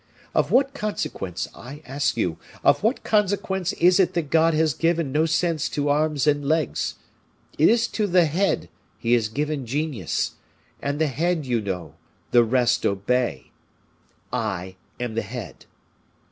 Of what consequence, I ask you, of what consequence is it that God has given no sense to arms and legs? It is to the head he has given genius, and the head, you know, the rest obey. I am the head."